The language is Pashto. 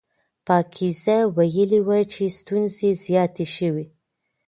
پاکیزه ویلي وو چې ستونزې زیاتې شوې.